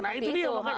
nah itu dia